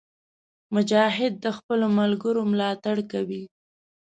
مجاهد د خپلو ملګرو ملاتړ کوي.